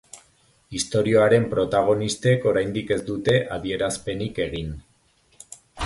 Istorioaren protagonistek oraindik ez dute adierazpenik egin.